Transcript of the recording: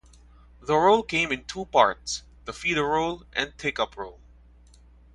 The roll came in two parts, the feeder roll and take-up roll.